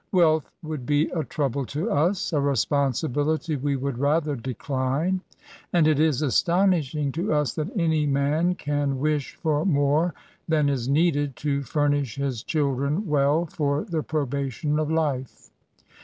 Wealth would be a trouble to us— a responsibility we would rather decline; and it is astonishing to us that any man can wish for more than is needed to furnish his children well for the probation of life.